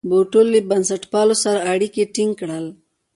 بوټو له بنسټپالو سره اړیکي ټینګ کړل.